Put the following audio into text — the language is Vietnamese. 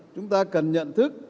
chúng ta cần nhận thức